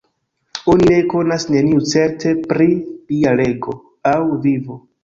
Oni ne konas neniu certe pri lia rego aŭ vivo.